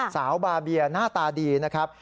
สาวบาเบียหน้าตาดีนะครับ